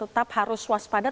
ekonomi di amerika serikat